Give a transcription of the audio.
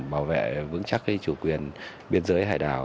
bảo vệ vững chắc cái chủ quyền biên giới hải đảo